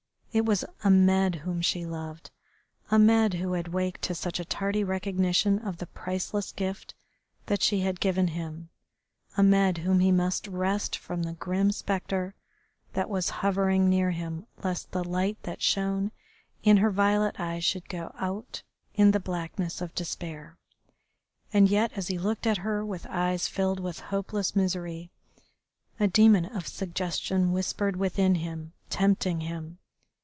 It was Ahmed whom she loved, Ahmed who had waked to such a tardy recognition of the priceless gift that she had given him, Ahmed whom he must wrest from the grim spectre that was hovering near him lest the light that shone in her violet eyes should go out in the blackness of despair. And yet as he looked at her with eyes filled with hopeless misery a demon of suggestion whispered within him, tempting him.